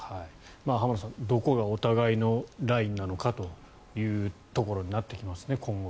浜田さん、今後はどこがお互いのラインなのかというところになってきますね。